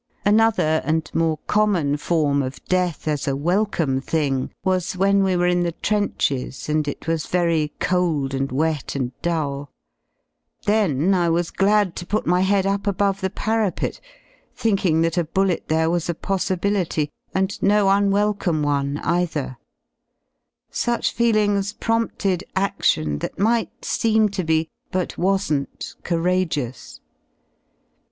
Another and more common form of death as a welcome thing was 8 ( when we were in the trenches and it was very cold and ^ wet and dull; then I was glad to put my head up above the Jr parapet, thinking that a bullet there was a possibility, and no unwelcome one either; such feelings prompted a6lion L that might seem to be, but wasn't, courageous.